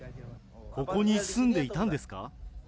ここに住んでいたんですか？